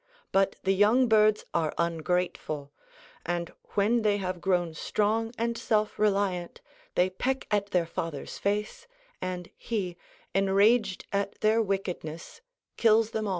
But the young birds are ungrateful, and when they have grown strong and self reliant they peck at their father's face, and he, enraged at their wickedness, kills them all.